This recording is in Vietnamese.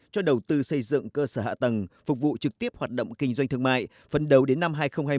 cho đầu tư xây dựng cơ sở hạ tầng phục vụ trực tiếp hoạt động kinh doanh thương mại phân đấu đến năm hai nghìn hai mươi